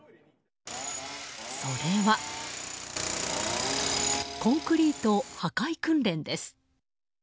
それはコンクリート破壊訓練です。